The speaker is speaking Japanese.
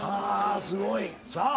すごい。さあ。